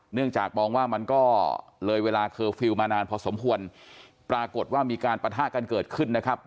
เนื่องจากมองว่ามันก็เลยเวลาเคอร์ฟิลล์มานานพอสมควรปรากฏว่ามีการปะทะกันเกิดขึ้นนะครับ